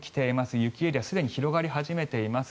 雪エリアすでに広がり始めています。